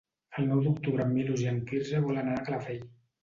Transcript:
El nou d'octubre en Milos i en Quirze volen anar a Calafell.